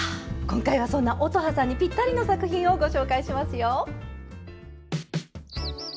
今回はそんな乙葉さんにぴったりの作品をご紹介しますよ！